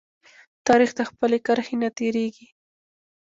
تاریخ د خپل کرښې نه تیریږي.